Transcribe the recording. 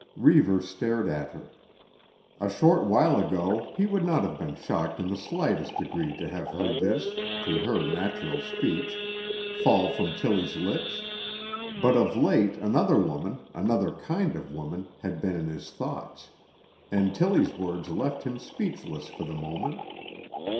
Reivers stared at her. A short while ago he would not have been shocked in the slightest degree to have heard this—to her, natural speech—fall from Tillie's lips. But of late another woman, another kind of woman, had been in his thoughts, and Tillie's words left him speechless for the moment.